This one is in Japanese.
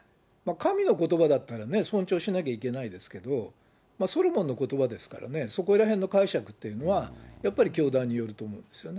神のことばだったらね、尊重しなきゃいけないですけど、ソロモンのことばですからね、そこらへんの解釈というのは、やっぱり教団によると思うんですよね。